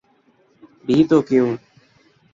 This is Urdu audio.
بھی تو کیوں؟